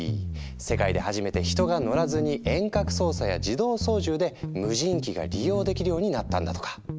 世界で初めて人が乗らずに遠隔操作や自動操縦で無人機が利用できるようになったんだとか。